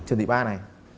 trần thị ba này